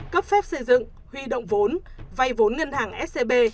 cấp phép xây dựng huy động vốn vay vốn ngân hàng scb